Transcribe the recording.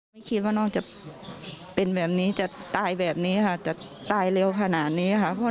ไม่คิดว่าน้องจะเป็นแบบนี้จะตายแบบนี้ค่ะจะตายเร็วขนาดนี้ค่ะ